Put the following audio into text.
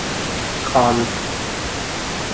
Conv.